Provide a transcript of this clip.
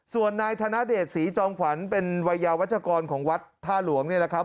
ส่วนนายธนเดชศรีจองขวรเป็นไวยาวัชกรของวัฒน์ท่าหลวงเนี่ยครับ